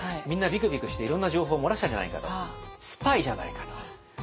みんなビクビクしていろんな情報漏らしちゃうんじゃないかと「スパイ」じゃないかと。